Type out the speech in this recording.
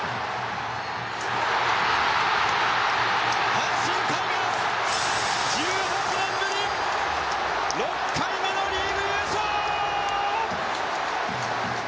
阪神タイガース１８年ぶり６回目のリーグ優勝！